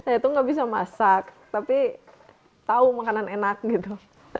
jadi itu capaciternya begitu tidak bisa masak tapi tahu makanan enak gitu